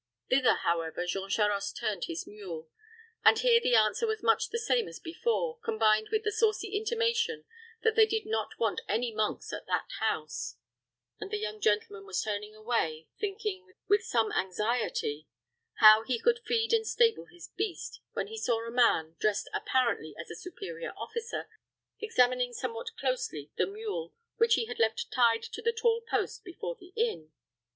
Thither, however, Jean Charost turned his mule; but here the answer was much the same as before, combined with the saucy intimation that they did not want any monks at that house; and the young gentleman was turning away, thinking, with some anxiety, how he could feed and stable his beast, when he saw a man, dressed apparently as a superior officer, examining somewhat closely the mule, which he had left tied to the tall post before the inn.